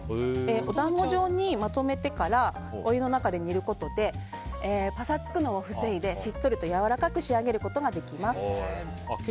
お団子状にまとめてからお湯の中で煮ることでパサつくのを防いでしっとりとやわらかく仕上げることができます。